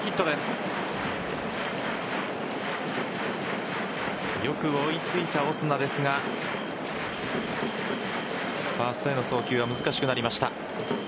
よく追いついたオスナですがファーストへの送球は難しくなりました。